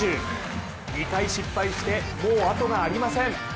２回失敗して、もうあとがありません。